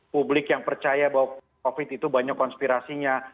publik yang percaya bahwa covid itu banyak konspirasinya